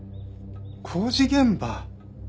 工事現場。